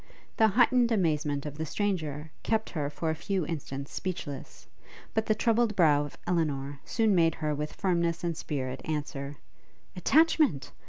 The heightened amazement of the stranger kept her for a few instants speechless; but the troubled brow of Elinor soon made her with firmness and spirit answer, 'Attachment?